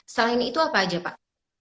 setelah ini itu apa aja pak